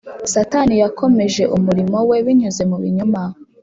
Satani yakomeje umurimo we binyuze mu binyoma